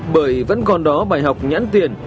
bởi vẫn còn đó bài học nhãn tiền